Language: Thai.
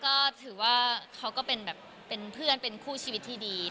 ก็ถือว่าเขาก็เป็นแบบเป็นเพื่อนเป็นคู่ชีวิตที่ดี